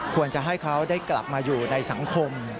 ควรจะให้เขาได้กลับมาอยู่ในสังคม